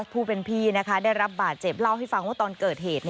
ผู้เป็นพี่ได้รับบาดเจ็บเล่าให้ฟังว่าตอนเกิดเหตุ